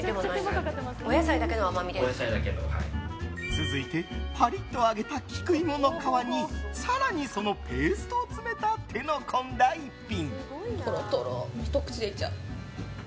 続いてパリッと揚げた菊芋の皮に更にそのペーストを詰めた手の込んだ一品。